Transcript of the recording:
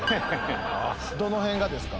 どのへんがですか？